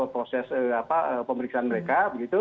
proses pemeriksaan mereka